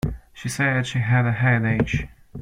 She said she had a headache.